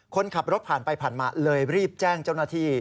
คนขับรถผ่านไปผ่านมาเลยรีบแจ้งเจ้าหน้าที่